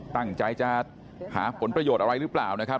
ตั้งใจจะหาผลประโยชน์อะไรหรือเปล่านะครับ